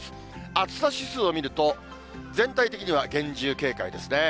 暑さ指数を見ると、全体的には厳重警戒ですね。